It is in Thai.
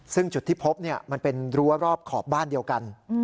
ซึ่งจุดที่พบมันเป็นรั้วรอบขอบบ้านเดียวกัน